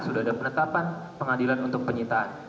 sudah ada penetapan pengadilan untuk penyitaan